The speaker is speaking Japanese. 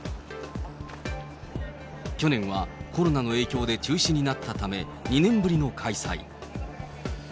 去年はコロナの影響で中止になったため、２年ぶりの開催。